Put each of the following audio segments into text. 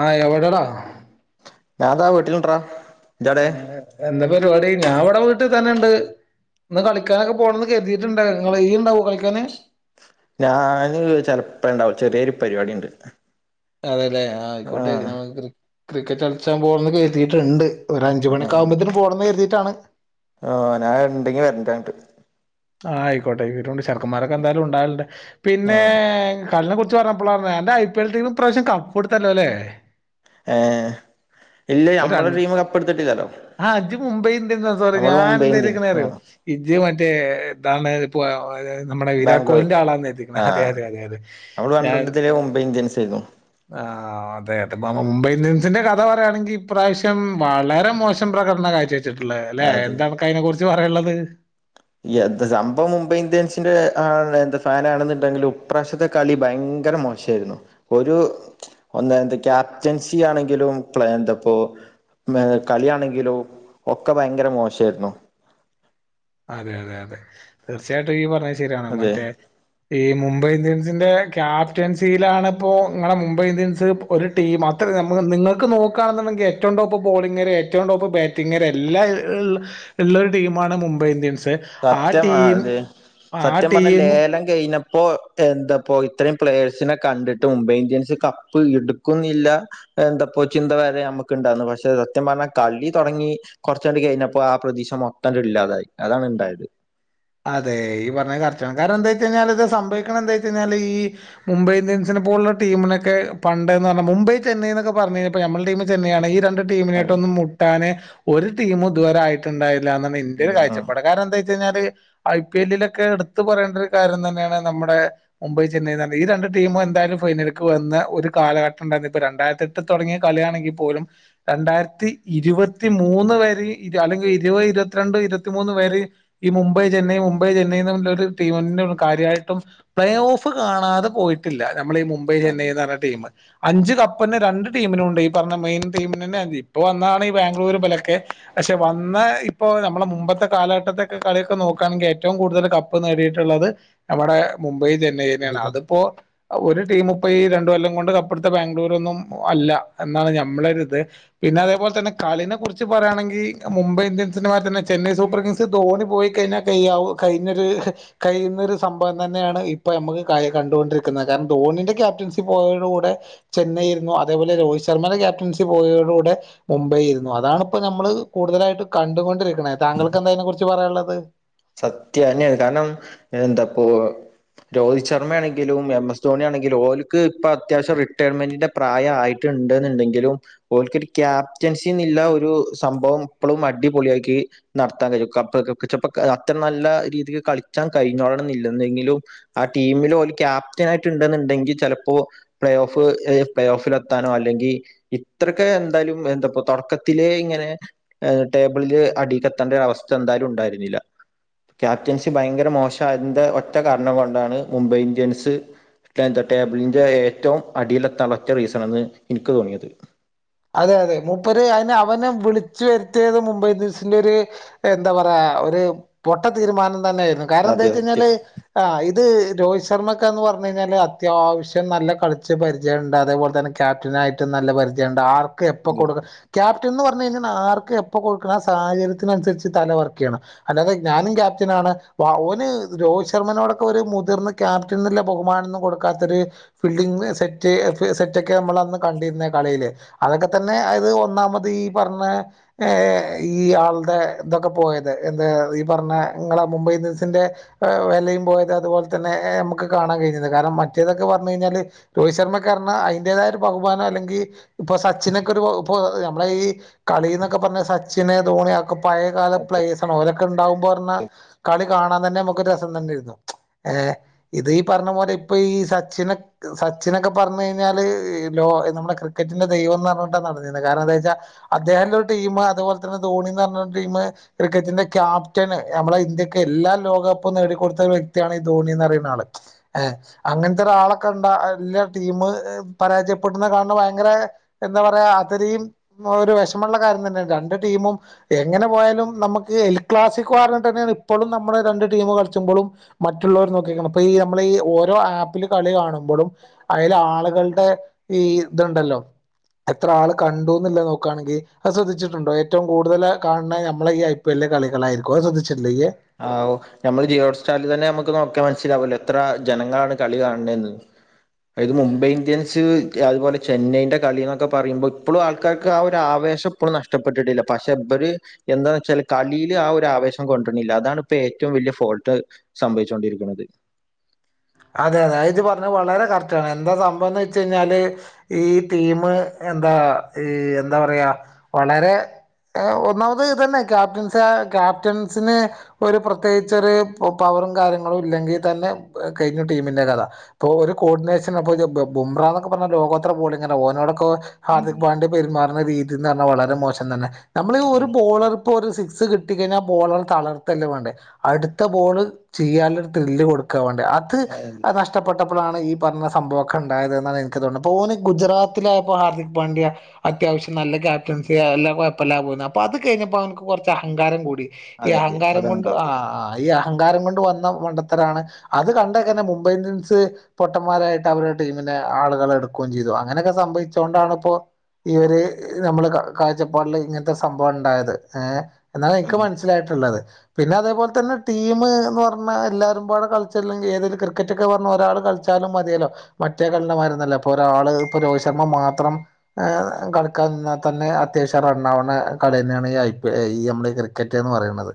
ആ എവിടെടാ ഞാതാ വീട്ടിലിണ്ടറാ ആ എന്താ പരിപാടി ഞാൻ ഇവിടെ വീട്ടിൽ തന്നെ ഉണ്ട് ഇന്ന് കളിക്കാനൊക്കെ പോകണംന്ന് കരുതിയിട്ടുണ്ട നിങ്ങ ഈ ഉണ്ടാവു കളിക്കാന് ഞാന് ചെിലപ്പോ ഇണ്ടാവും ചെറിയൊരു പരിപാടിുണ്ട് അതെല്ലെ ആ ആയിക്കോട്ടെക്ക് ക്രിക്കറ്റ് കളിച്ചാൻ പോവന്ന് കേരുതി യിട്ടുണ്ട് ഒ അഞ്ച മണിക്ക ആവുപോത്തിന് പോണമന്ന് കരുതിട്ടാണ് ആ ഞാൻ ഉണ്ടെങ്കി വരിങ്ങിട്ട് ആ ആയിക്കോട്ടെ വീട്ടുകൊണ്ട് ശർക്കന്മാരൊക്കെ എന്തായാലും ഉണ്ടുണ്ട് പിന്നെ ആഹ് ക പറഞ്ഞപ്പോളാ എന്റെ ഐ പി എൽ ടീമ പ്രാവശ്യം ക കൊടുത്തല്ലോ അല്ലേ ഏർ ഇല്ല ഞമ്മള ടീമ കപ്പ് എടുത്തിട്ടില്ലല്ലോ ആ അജ് മുംബൈാ സോറ ഞാന ഇന്ത്യൻ എന്തരിക്കണ അറിയോ ആഹ് ഇജ് മറ്റേ തണ പോയ അ [unintelligible] നമ്മടെ വിരാട് ബാംഗ്ലൂർ കോലിന്റെ ആളാന്ന് കരുതിക്കണ് അതെ ആഹ് അതെ അതെ അതെ നമ്മള് ഞാൻ പണ്ടൊണ്ടതില് മുംബൈ ഇന്ത്യൻസ് ആയിരുന്നു ആ ആ അതെ അതെ ബ മ മുംബൈ ഇന്ത്യൻസിന്റെ കഥ പറയാണെങ്കി ഇപ്രാശ്യം വളരെ മോശം പ്രകടന കാഴ്ച [unintelligible] ച്ചിട്ടൊള്ളെല്ലെ എന്താമക്കയിനെകുറിച്ച് പറയാനൊള്ളത്? യെന്ത സംഭവം മുംബൈ ഇന്ത്യൻസിന്റെ ആ എന്ത ഫനാണെന്നുണ്ടെങ്കിലും ഇപ്രാശ്യത്തെ കളി ഭയ് ങ്കര മോശാരുന്നു. ഒരു ഒന്നന്ത ക്യാപ്റ്റൻസി ആണെങ്കിലും എന്തപ്പോ ഏ കളിയാണെങ്കിലു ഒക്ക ഭയങ്കര മോശാരുന്നു. [inaudible] അതെ അതെ അതെ തീർച്ചയായിട്ടും യീ പറഞ്ഞ ശരിയാണ് അതെ മറ്റേ ഈ മുംബൈ ഇന്ത്യൻസിന്റെ ക്യാപ്റ്റൻസിയിലാണപ്പോ ങ്ങളെ മുംബൈ ഇന്ത്യൻസ് ഒരു ടീം അത്രതാ നിങ്ങക്ക് നോക്കാണെന്നു ഏറ്റവും ടോപ്പ് ബോളിംഗര് ഏറ്റവും ടോപ്പ് ബാറ്റിംഗര് എല്ലാള്ളരു ടീമാണ് മും സത്യം ആ അതെ ആ സത്യം പറഞ്ഞ ടീം ലേലം കഴിഞ്ഞ പ്പോ എന്താപ്പോ ഇത്രയും പ്ലേയേഴ്സിനെ കണ്ടിട്ട് മുംബൈ ഇന്ത്യൻസ് കപ്പ് എടുക്കുന്നില്ല എന്താപ്പോ ചിന്ത വരെ യമ്മക്ക്ണ്ടാന്ന് പക്ഷെ സത്യം പറഞ്ഞാ കളി തൊടങ്ങി കൊറച്ചങ്ങട് കഴിഞ്ഞപ്പോ ആ പ്രതീ മൊത്തങ്ങട്ല്ലാതായി അതാണിണ്ടായത്. അതെ ഈ പറഞ്ഞ കറക്റ്റാണ് കാരണം എന്താച്ച്കഴിഞ്ഞല് ഇത് സംഭവിക്കണ ന്താച്ച് കിഞ്ഞാല് ഈ മുംബൈ ഇന്ത്യൻസിനെ പോലുള്ള ടീമിനക്കെ പണ്ടെന്ന് പറഞ്ഞ മുംബൈ ചെന്നൈന്നെക്കെ പറഞ്ഞ കഴിഞ്ഞപ്പമ്മടെ ടീം ചെന്നൈയാണ് ഈ രണ്ട് അതെ ടീമിനായിട്ടൊന്നും മുട്ടാന് ഒരു ടീമുതുവര ആയിട്ടുണ്ടായില്ലാന്നാണ് ഇന്റെരു എങ്കിലും ആ കാഴ്ചപ്പാട് കാരണം എന്താ ച്ചെഴിഞ്ഞാല് ഐ പി എൽ ലിലൊക്കെ എടുത്തു പറയേണ്ടരു കാര്യം തന്നാണ് നമ്മടെ മുംബൈ ചെന്നൈ എന്ന് പറഞ്ഞ ഈ രണ്ട് ടീമു എന്തായാലും ഫൈനൽക്ക് വന്ന ഒരു കാലഘട്ടണ്ടായിരുന്നു ഇപ്പ രണ്ടായിരത്തെട്ട് തൊടങ്ങിയ കളിയാണെങ്കി പോലും രണ്ടാരത്തി ഇരുപത്തിമൂന്ന് വരെ അല്ലെങ്കി ഇരുപത് ഇരുപത്തിരണ്ട് ഇരുപത്തിമൂന്ന് വരെ ഈ മും ബൈ ചെന്നൈ മുംബൈ ചെന്നൈന്ന്ള്ള ഒരു ടീമന്നള്ളു കാര്യായിട്ടും പ്ലേ ഓഫ് കാണാതെ പോയിട്ടില്ലാ നമ്മളി ഈ മുംബൈ ചെന്നൈ ആദ്യം ന്നറഞ്ഞ ടീമ് അഞ്ചു കപ്പന്നെ രണ്ട് ടീമിനുണ്ട് ഈ പറഞ്ഞ മെയിൻ ടീമിനന്നെ [unintelligible] ഇപ്പൊ വന്നാണ് ഈ ബാംഗ്ലൂരുംപെലക്കെ പക്ഷെ വന്ന് ഇപ്പോ നമ്മളെ മുമ്പത്തെ കാലഘട്ടത്തെക്കെ കളി ക്കനോക്കണെങ്കി ഏറ്റവും കൂടുതല് കപ്പ് നേടിയിട്ടൊള്ളത് നമ്മടെ മുംബൈ ചെന്നൈ ന്നെയാണ് ഉപജ അത്പ്പോ ഒരു ടീമുപ്പ ഈ രണ്ടു കൊല്ലം കൊണ്ട് കപ്പെടുത്ത ബാംഗ്ലൂരൊന്നും അല്ല എന്നാണ് ഞമ്മളൊരിത് പിന്നെ അതേപോൽത്തന്നെ കളിനെകുറിച്ച് പറയാണെങ്കി മുംബൈ ഇന്ത്യൻസിന്റെമാരി തന്നെ ചെന്നൈ സൂപ്പർ കിങ്സ് ധോണി പോയി കെഴിഞ്ഞ [unintelligible] കഴിഞ്ഞരു കയിന്നൊരു സംഭവം തന്നെയാണ് ഇപ്പ യമ്മക്ക് കയ കണ്ടൊണ്ടിക്കുന്ന ക കാരണം ധോണിന്റെ ക്യാപ്റ്റൻസി പോയോതോടു കൂടെ ചെന്നൈയിരുന്നു അതേപലെ രോഹിത് ശർമ്മടെ ക്യാപ്റ്റൻസി പോയതോടു കൂടെ മുംബൈയിരുന്നു അതാണിപ്പ നമ്മള് കൂടുതലായിട്ട് കണ്ടുകൊണ്ടിരിക്കണ താങ്കൾക്കെന്താ അതിനെ കുറിച്ച് പറയാനൊള്ളത്? സത്യന്നായിരുന്നു കാരണം എന്താപ്പോ രോഹിത് ശർമ്മണെങ്കിലും എം എസ് ധോണിണെങ്കിലും ഓല്ക്ക് ഇപ്പത്യാവശ്യം റിട്ടയർമെന്റിന്റെ പ്രായായി ട്ട്ണ്ട്ന്ന്ണ്ടെങ്കിലും ഓൽക്കരു ക്യാപ്റ്റൻസിന്നില്ല ഒരു സംഭവം എപ്പളും അടിപൊളിയാക്കി നടത്താൻ കഴിയും കപ്പൊക്കെപ്പിച്ചപ്പ അത്ര നല്ല രീതി കളിച്ചാൻ കഴിഞ്ഞോളണന്നില്ലെങ്കിലും ആ ടീമിലൊര് ക്യാപ്റ്റനായിട്ട് ണ്ട്ന്ന്ണ്ടങ്കി ചെലപ്പോ പ്ലേ ഓഫ്‌ ഏ പ്ലേ ഓഫീലെത്താനോ അല്ലെങ്കി ഇത്രക്ക് എന്താലും മെന്താപ്പാ തൊടക്കത്തിലേ ഇങ്ങനെ ടേബിളില് അടി കത്തേണ്ട അവസ്ഥന്താലും ഉണ്ടായിരുന്നില്ല. ക്യാപ്റ്റൻസി ഭയങ്കര മോശായതിന്റെ ഒറ്റ കാരണം കൊണ്ടാണ് മുംബൈ ഇന്ത്യൻസ് ന്താ ട്ടേബിളിന്റെ ഏറ്റവും അടിയില തളച്ച റീസൺന്ന് എനിക്ക് തോന്നിയത്. അതെ അതെ മൂപ്പര് അയ്ന് അവനെ വിളിച്ചു വരുത്തിയത് മുംബൈ ഇന്ത്യൻസിന്റെരു എന്താ പറയാ ഒരു പൊട്ട തീരുമാനം തന്നെ ആയിരുന്നു അതെ സത്യം കാരണന്താച്ചഴിഞ്ഞാല് ആ ഇ ത് രോഹിത് ശർമ്മക്കന്ന് പറഞ്ഞു കഴിഞ്ഞാല് അത്യാവിശ്യം നല്ല കളിച്ച് പരിചയണ്ട് അതേപോലെ തന്നെ ക്യാപ്റ്റന നായിട്ട് നല്ല പരിചയണ്ട് ആർക്ക് എപ്പൊ കൊടുക്ക ക്യാപ്റ്റന്ന് പറഞ്ഞ് കഴിഞ്ഞാ ആർക്ക് എപ്പോ കൊടുക്കണം ആ സാഹചര്യത്തിനനുസരിച്ച് തലവർക്ക് ചെയ്യണം അല്ലതെ ഞാനുംക്യാ പ്റ്റനാണ് ഓന് രോഹിത് ശർമ്മനോടൊക്കൊരു മുതിർന്ന ക്യാപ്റ്റൻന്നൊള്ള ബഹുമാനൊന്നും കൊടുക്കാത്തത് ഫീൽഡിങ് സെറ്റ് സെറ്റക്കെ മ്മളന്ന് കണ്ടിര് ന്നേ കളിയില് അതക്കെത്തന്നെ അത് ഒന്നാമത് ഈ പറഞ്ഞ ഏ ഈ ആൾടെ ഇതൊക്കെ പോയത എന്താ ഈ പറഞ്ഞ ങ്ങളെ മുംബൈ ഇന്ത്യൻസിന്റെ വെലയും പോയത് അതുപോൽതന്നെ മ്മക്ക് കാണാ കയ്ഞ്ഞത് കാർണം മറ്റേതൊക്കെ പറഞ്ഞയ്ഞ്ഞാല്, രോഹിശർമ്മക്കർഞ്ഞാ അയ്ന്റേതായ ഒരു ബഹുമാനല്ലെങ്കി- പ്പൊ സച്ചിനൊക്കെരു [unintelligible] പ്പ ഞമ്മളെ ഈ കളീന്നൊക്കെ പറഞ്ഞ സച്ചിന് ധോണി അ ക്കെ പയേകാല പ്ലേയെസാണ്. ഓലൊക്കെണ്ടാവുമ്പർഞ്ഞ കളി- കാണാതന്നെ മ്മക്കൊരസതന്നെര് ന്നു. ഏ [unintelligible] ഇതീ പർഞ്ഞ പോലെ പ്പൊ ഈ സച്ചിന.. സച്ചിനൊക്കെ പർഞ്ഞയ്ഞ്ഞാല് ലോ നമ്മടെ ക്രിക് കറിക്കാറ്റിന്റെ ദൈവന്നറഞ്ഞിട്ടാ നടന്നീന്നെ. കാർണന്താന്നോയ്ച്ച- അദ്ദേഹന്റെ ഒര് ടീമ് അതേപോൽത്തന്നെ ധോണിന്നറഞ്ഞൊരു ടീമ്. ക്രിക്കറ്റിന്റെ ക്യാപ്റ്റന് ഞമ്മളെ ഇന്ത്യക്കെല്ലാ ലോകപ്പും നേടിക്കൊട്തൊരു വ്യക്തിയാണീ ധോണിന്നറിയുന്നാള്... ങേ... അങ്ങൻത്തൊരാളൊക്കെ.. ണ്ട. ല്ല.. ടീമ് പരാജയപ്പെട്ണെ കാണ് ണെ വയ ങ്കനെ എന്തപറയാ അത്തരീം ഒരു വേശ്മള്ള കാര്യന്തന്നെണ് രണ്ട് ടീമും എങ്ങനെപോയാലു നമ്മക്ക് എൽ ക്ലാസിക്കൊർഞ്ഞിട്ടന്നെണ് പ്പളും നമ്മളെ രണ്ട് ടീമ് കൾച്ചുമ്പളും മറ്റുള്ളോര് നോക്കിക്കു- പ്പ... ഈ... മ്മളെ ഈ... ഓരോ ആപ്പില് കളി കാണുമ്പളും അതയ്ല് ആള്കൾടെ ഈ ത്ണ്ടല്ലോ എത്ര ആള് കണ്ടൂന്നുള്ള നോക്കാണെങ്കി അത് ശ്രദ്ധിച്ചിട്ടുണ്ടോ ഏറ്റോം കൂടുതല് കാണ് ണെ അമ്മളെ ഈ ഐ പി എൽ ന്റെ കളിന്നൊള്ളെ അസ [unintelligible] ച്ചു ആഓ ഞമ്മള് ജിഒട്ട്സ്റ്റാൽ തന്നെ നമ്മക്ക് നോക്യാ മൻസ്സിലാവോല്ലോ ത്ര ജനങ്ങണ് കളി കാണ്ണെന്ന്... ഇത് മുംബൈ ഇന്ത്യൻസ്.... അത്പോലെ ചെന്നൈന്റെ കളി ന്നൊക്കെ പറീമ്പോ പ്പളും ആൾക്കാർക്ക ആ ഒരു ആ വെശപ്പും നഷ്ടപ്പെട്ടിട്ടില്ല പഷേ ബ്ബര് എന്താന്നെച്ചാല് കളില് ആ ഒരാവേശം കൊണ്ട്ര [unintelligible] ണില്ല അതാണിപ്പെറ്റോം വെല്യേ ഫോൾട്ട് സംഭവിച്ചൊണ്ടിരിക്കണത്. അതതെ.. അ ഇജ് പർഞ്ഞത് വളരെ കററ്റാണ്, എന്താ സംഭവംന്നച്ചയ്ഞ്ഞാല് ഈ ടീമ്- എന്താ... ഈ.. ന്താപറയാ... വളരെ... ഏ ഒന്നാമത് തന്നെ ക്യാപ്റ്റസാ ക്യാപ്റ്റൻസിന് ഒരു പ്രത്യേകിചൊര് പൗ- റും കാര്യങ്ങളുല്ലെങ്കി തന്നെ [inaudible] കയ്ഞ്ഞ ടീമിന്റെ കഥ... പ്പൊഒരു കോർഡിനേഷൻ അ [unintelligible] പ്പൊ ബമ്പ്രാന്നൊക്കെപ്പറഞ്ഞ ലോകോത്ര ബോളിങ്ങല്ലേ ഓനോടൊക്കെ അതെ ഹാർദിക് പാണ്ഡ്യ പെരുമാറ്ണ രീതിന്നറഞ്ഞാ വളരെ മോശന്തന്നെ. ഞമ്മളീ ഒരു അതെ ബോളർ- പ്പൊരു സിക്സ് കിട്ട്ടികയിനാ, ആ ബോളൺ തളർത്തല്ല വാണ്ടേ അട്ത്ത ബോള് ചീയ്യാല്ലൊരു ത്രില്ല് കൊടു- ക്കാവാണ്ടേ അത്.. അതെ അത് നഷ്ടപ്പെ പ്പഴാണീപ്പറഞ്ഞ സമ്പവൊക്കെണ്ടായത് ന്നാണ് ഇൻക്ക് തോന്ന്ണെ ധോണി ഗുജറാത്തിലായപ്പോ ഹാർദിക് പാണ്ഡ്യ ക്കാവശ്യം നല്ലക്യാപ്റ്റൻസിനെ അപ്പവല്ലാ കോയപ്പല്ലാ പോയ്ന്നു അപ്പോ അത് കയിഞ്ഞപ്പവൻക്ക് കൊർചഹങ്കാരം കൂടി. ഈ അതെ അതാ അഹങ്കാരങ്കൊണ്ട്... ഉണ്ടായത് ആ.. ഈ അഹങ്കാരംങ്കോണ്ട് വന്ന മണ്ടത്തരാണ് അത് കൺ ണ്ടെക്കന്നെ മുംബൈന്ത്യൻസ് പൊട്ടന്മാരായിട്ടവരെ ടീമിനെ ആളുകളെടുക്കൂ ചെയ്തു... അങ്ങനൊക്കെസംഭയ്ച്ചോ ണ്ടാണിപ്പോ ഇവര് നമ്മള്... ക... കായ്ചപ്പാടില് ഇങ്ങൻത്തെ സംഭവണ്ടായത്.. ങേ... എന്നാണെനിക്ക് അതെ മൻസ്സിലായ്ട്ട്ള്ളത്. പിന്നെ അതേപോൽതന്നെ ടീമ് ന്ന്- പർഞ്ഞാ എല്ലാരും പാടെ കൾച്ചല്ലങ്കി ഏതേൽ- ക്രിക്കറ്റൊക്കെ പർഞ്ഞ ഒരാള് കൾച്ചാലും മാത്യേലോ, മറ്റേ കൾന്റെമാര്യോന്നുഅല്ല ഇപ്പോ രാള്, പ്പോ രോഹിശർമ്മ മാത്രം- ഹ് കളിക്കാനിന്നാതന്നെ- അത്യാവശ്യം റണ്ണാവണ കളിയന്നേണീ ഈ ഐ. പി ഈ അമ്മളീ [unintelligible] ക്കറ്റ്ന്ന് പറേണത്.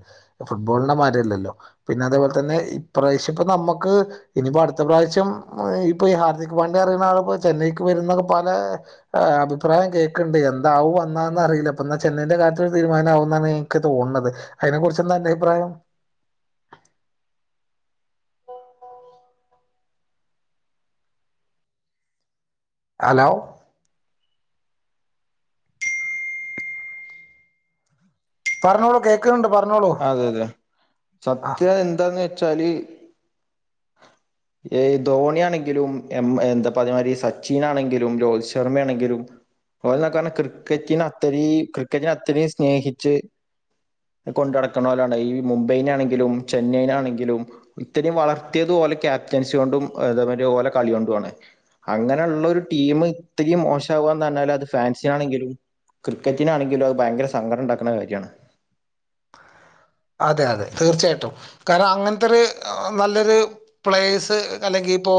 ഫുട്ബോൾനെ മാര്യല്ലല്ലോ പിന്നെ അതേപോൽതന്നെ ഇപ്രാവശ്യപ്പ നമ്മക്ക ക്ക് ഇനിപ്പട്ത്ത പ്രാവശ്യം ഇപ്പഈ ഹാർദിക് പാണ്ഡ്യന്നറീണേ- ആളിപ്പോ ചെന്നൈക്ക് വരുന്നൊക്കെ പലേ- അഭിപ്രായം കേക്ക്ണ്ട് എന്താവോ, എന്നാന്നറീല്ല പ്പന്ന ചെന്നൈന്റെ- കാര്യത്തിലൊരു തീര്മാനാവുന്നാണ് നിക്ക് - തോൺണത് അയ്നെ കുർച്ച് ന്താ അന്റെ അയ്പ്രായം? ഹലോ... പർഞ്ഞോളൂ കേക്കണുണ്ട്... അതെതെ.. ആ സത്യ എന്താനെച്ചാല് [inaudible] ഏയ് ധോണ്യാണെങ്കിലും, എ.. ന്താപ്പതെമായ്രി സച്ചിനാണെങ്കിലും, രോഹിത് ശർമ്മണെങ്കിലും- ഓൽ ന്നൊക്കെ പർഞ്ഞ ക്രിക്കറ്റിനത്തരീം ക്രിക്കറ്റിനത്തരീമം സ്നേഹിച്ച്. കൊണ്ടടക്കണോലാണീ... മുംബൈനാണെങ്കിലും... ചെന്നൈനാണെങ്കിലും ഇത്തരീം വളർ മറ്റേത് ഓല ക്യാപ്റ്റൻസ്യോണ്ടും അതേയ്മരി മറ്റേ ഓലെ കളിയോണ്ടുആണ്. അങ്ങനള്ളരു ടീമ് ത്തിരീം മോശവാന്നറഞ്ഞാല് അത് ഫാൻസിനാണെങ്കിലും ക്രിക്കറ്റിനാണെങ്കിലും അത് ഭയങ്കര സങ്കടണ്ടാക്കണ കാര്യാണ്. ആ അതെ അതെ തീർച്ചയായിട്ടും കാരണം അങ്ങനത്തൊറ് ആ നല്ലൊര് പ്ലേസ് അല്ലെങ്കി ഇപ്പോ,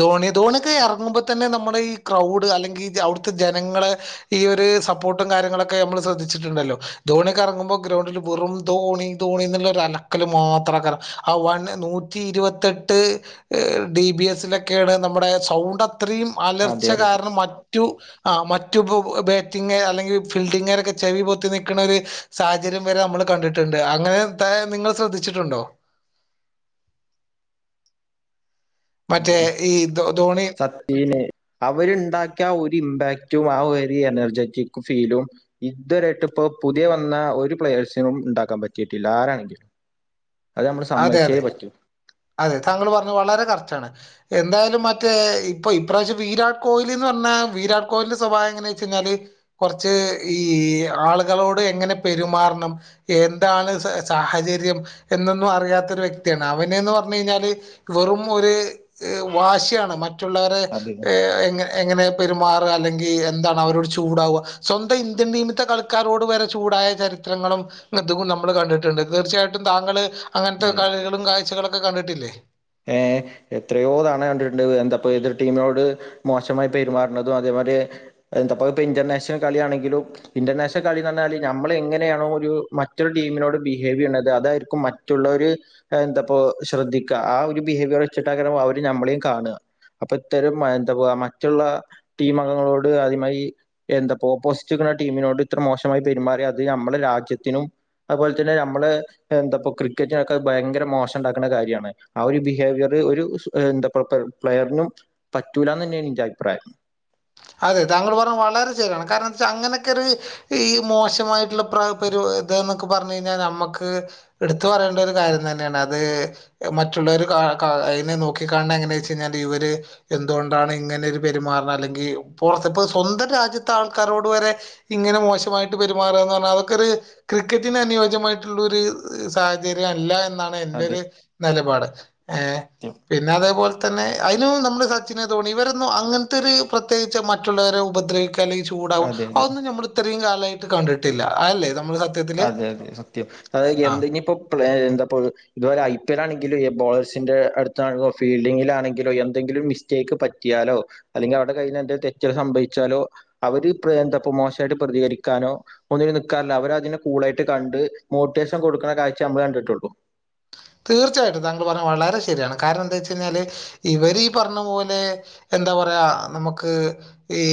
ധോണി ധോണിയൊക്കെ ഇറങ്ങുമ്പോ തന്നെ നമ്മുടെ ഈ ക്രൗഡ് അല്ലെങ്കിൽ അവിടുത്തെ ജനങ്ങളെ ഈ ഒരു സപ്പോർട്ടും കാര്യങ്ങളൊക്കെ നമ്മൾ ശ്രദ്ധിച്ചിട്ടുണ്ടല്ലോ. ധോണിയൊക്കെ എറങ്ങുമ്പോ ഗ്രൗണ്ടില് വെറും ധോണി ധോണി ന്നുള്ള അലക്കൽ മാത്രകാരം. നൂറ്റി ഇരുപത്തെട്ട് ഡിബിഎസിലൊക്കെയാണ് നമ്മുടെ സൗണ്ട് അത്രയും അലർച്ച അതെ അതെ കാരണം മറ്റ് മറ്റു ആ മറ്റു ബാറ്റിംഗ് അല്ലെങ്കിൽ ഫീൽഡിംഗരൊക്കെ ചെവി പൊത്തി നിൽക്കുന്ന ഒരു സാഹചര്യം വരെ നമ്മൾ കണ്ടിട്ടുണ്ട് അങ്ങനെത്തെ നിങ്ങൾ ശ്രദ്ധിച്ചിട്ടുണ്ടോ [inaudible] അതെ മറ്റേ ഈ ധോ ധോണി സത്യേന് അവരുണ്ടാക്കിയ ഒരു ഇമ്പാക്ട് റ്റും ആ ഒരു എനർജെറ്റിക് ഫീലും ഇതുവരായിട്ട് ഇപ്പൊ പുതിയ വന്ന ഒരു പ്ലേയേഴ്സിനും ഉണ്ടാക്കാൻ പറ്റിട്ടില്ല ആരാണെങ്കും [inaudible] അതെ അതെ അതെ താങ്കൾ പറഞ്ഞു വളരെ കറക്ടാണ് എന്തായാലും മറ്റേ ഇപ്പ ഇപ്രാവശ്യം വിരാട് കോഹ്ലി എന്ന് പറഞ്ഞാ വിരാട് കോഹ്ലിന്റെ സ്വഭാവം എങ്ങനെ വെച്ച് കഴിഞ്ഞാല് കുറച്ച് ഈ ആളുകളോട് എങ്ങനെ പെരുമാറണം, എന്താണ് സ് സ ഹചര്യം എന്ന ന്നും അറിയാത്തൊരു വ്യക്തിയാണ്. അവനന്ന് പറഞ്ഞ് കഴിഞ്ഞാല് വെറും ഒരു വാശിയാണ് മറ്റ മറ്റുള്ളവരെ അതെ ഏ എങ്ങനെ എങ്ങനെ പെരുമാറുക, അല്ലെങ്കിൽ എന്താണ് അവരോട് ചൂടാവുക, സ്വന്തം ഇന്ത്യൻ ടീമിൽത്തെ കളിക്കാരോട് വരെ ചൂട ണ്ടായ ചരിത്രങ്ങളും ങ്ങതും നമ്മള് കണ്ടിട്ടുണ്ട്. തീർച്ചയായിട്ടും താങ്കൾ അങ്ങനത്തെ കളികളും കാഴ്ചകളൊക്കെ കണ്ടിട്ടില്ലേ ഏ എത്രയോ തവണ കണ്ടിട്ടുണ്ട്, എന്താപ്പ എതിർ ടീമിനോട് മോശമായി പെരുമാറുന്നതും അതേ അതെ, അത് നമ്മളിപ്പ ഇന്റർനാഷണൽ കളിയാണെങ്കിലും ഇന്റർനാഷണൽ കളിന്ന് പറഞ്ഞാല് നമ്മൾ എങ്ങനെയാണോ ഒരു മറ്റൊരു ടീമിനോട് ബിഹേവ് ചെയ്യ്ണത്, അതായിരിക്കും മറ്റുള്ളവര് എന്തപ്പൊ ശ്രദ്ധിക്ക ഒരു ബിഹേവിയർ വെച്ചിട്ട് അവര് ഞമ്മളെയും കാണുക അപ്പൊ ഇത്തരം എന്തപ്പോ മറ്റുള്ള ടീം അംഗങ്ങളോട് ആദ്യമായി എന്താപ്പോ ഓപ്പോസിറ്റുക നമ്മളെ ടീമിനോട് ഇത്ര മോശമായി പെരുമാറിയ അത് നമ്മുടെ രാജ്യത്തിനും അതുപോലെ തന്നെ നമ്മള് എന്താപ്പ ക്രിക്കറ്റിനൊക്കെ ഭയങ്കര മോശം ഉണ്ടാക്കണ കാര്യാണ് ആ ഒരു ബിഹേവിയർ ഒരു എന്താ പറയാ പ്ലെയറിനും പറ്റൂലാന്ന് തന്നെയാണ് എന്റെ അഭിപ്രായം [inaudible] അതെ താങ്കൾ പറഞ്ഞാൽ വളരെ ശെരിയാണ് കാരണം എന്താ വെച്ചാൽ അങ്ങനെയൊക്കെ ഒരു ഈ മോശമായിട്ടുള്ള പ്ര പെരു ഇത് എന്നൊക്കെ പറഞ്ഞ കഴിഞ്ഞാൽ നമ്മക്ക് എടുത്ത പറയണ്ട ഒരു കാര്യം തന്നെയാണ് അത് മറ്റുള്ളവര് അയ്നെ നോക്കിക്കാൺണെ എങ്ങനെ വെച്ച് കഴിഞ്ഞാല് ഇവര് എന്തുകൊണ്ടാണ് ഇങ്ങനെരു പെരുമാറുന്നത് അല്ലെങ്കിൽ പുറത്തെ, ഇപ്പ സ്വന്തം രാജ്യത്തെ ആൾക്കാരോട് വരെ ഇങ്ങനെ മോശമായിട്ട് പെരുമാറുകാന്ന് പറഞ്ഞാൽ അതൊക്കൊരു ക്രിക്കറ്റിന് അനുയോജ്യമായിട്ടുള്ള ഒരു സാഹചര്യ അല്ല ആണ് അതെ എൻ്റെരു നിലപാട്. ഏ പിന്നെ അതേപോലെ തന്നെ അതിനും നമ്മുടെ സച്ചിന്, ധോണി, ഇവരൊന്നും അങ്ങൻത്തൊര് പ്രത്യേകിച്ച് മറ്റുള്ളവരെ ഉപദ്രവിക്ക അല്ലെ ചൂടാകും, അതെ അതെ അതൊന്നും നമ്മൾ ഇത്രയും കാലായിട്ട് കണ്ടിട്ടില്ല, അതല്ല അതെ അതെ സത്യം അതായത് ആ എന്ത ഇനിയിപ്പോ പ്ല എന്താപ്പൊ ഇതുവരെ ഐപിഎൽ ആണെ ബോളേയ്സിൻ്റെ അടുത്താണെങ്കിലോ ഫീൽഡിങ്ങിലാണെങ്കിലോ എന്തെങ്കിലും മിസ്റ്റേക്ക് പറ്റിയാലോ അല്ലെങ്ക അവർ കൈയ്യ്ന്നെന്തെങ്കിലും തെറ്റ് സംഭവിച്ചാലോ അവര് എന്ത മോശായിട്ട് പ്രതികരിക്കാനോ ഒന്നിൽ നിക്കാ അവര് അതിനെ കൂളായിട്ട് കണ്ട് മോട്ടിവേഷൻ കൊടുക്കുന്ന കാഴ്ച നമ്മൾ കണ്ടിട്ടുള്ളു തീർച്ചയായിട്ടും താങ്കൾ പറഞ്ഞ വളരെ ശരിയാണ്. കാരണം എന്താ വെച്ച് കഴിഞ്ഞാല് ഇവരി പറഞ്ഞ പോലെ എന്താ പറയാ നമുക്ക് ഈ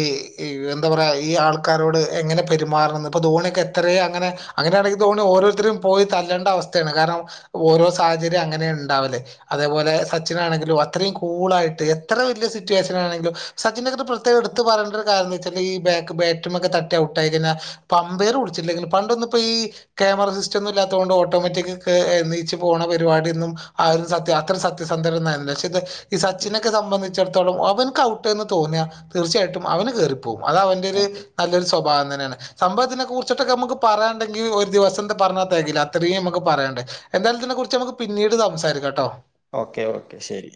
എന്താ പറയാ ഈ ആൾക്കാരോട് എങ്ങനെ പെരുമാറണം, ന്ന്ഇപ്പൊ ധോണിയൊക്കെ എത്രേ അങ്ങനെ അങ്ങനേണെങ്കിപ്പൊ ഓരോരുത്തരും പോയി തല്ലേണ്ട അവസ്ഥയാണ് കാരണം ഓരോ സാഹചര്യം അങ്ങനെ ഉണ്ടാവില്ലേ അതേപോലെ സച്ചിനാണെങ്കിലും അത്രയും കൂളായിട്ട് എത്ര വലിയ സിറ്റുവേഷനും നാണെങ്കിലും സച്ചിൻ്റെക്കെ പ്രത്യേകം എടുത്ത് പറേണ്ട ഒരു കാര്യം എ ന്തന്ന്വെച്ചാല് ഈ ബാക്ക് ബാറ്റ്മ്മെക്കെ തട്ടി ഔട്ടായി കഴിഞ്ഞ അമ്പയർ വിളിച്ചില്ലെങ്കിലും പണ്ടൊന്നും ഇ ക്യാമറ സിസ്റ്റം ഇല്ലാത്തോണ്ട് ഓട്ടോമാറ്റിക് ക്കെ നീച്ച് പോണ പരിപാടിയൊന്നും ആരും സത്യം അത്ര സത്യസന്ധരൊന്നരുന്നില്ല. ക്ഷേത് ഈ സച്ചിനൊക്കെ സംബന്ധിച്ചിടത്തോളം അവനക്ക് ഔട്ട് എന്ന് തോന്നിയാൽ തീർച്ചയായിട്ടും അവന് കയറിപ്പോകും അത് അവന്റെ ഒരു അതെ നല്ലൊരു സ്വഭാവം തന്നെയാണ്. സംഭവ ഇതിനെ കുറിച്ചിട്ടൊക്കെ നമുക്ക് പറയാണ്ടെങ്കിൽ ഒരു ദിവസം എ പറഞ്ഞ തെകയൂല അത്തറേം നമുക്ക് പറയണ്ട് എന്തായാലും ഇതിനെ കുറിച്ച് നമുക്ക് പിന്നീട് സംസാരിക്കാം ട്ടോ. ഓക്കെ ഓക്കെ ശരി